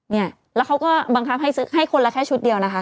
เนี่ยแล้วเขาก็บังคับให้ซื้อให้คนละแค่ชุดเดียวนะคะ